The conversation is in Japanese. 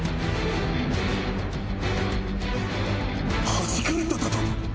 はじかれただと！？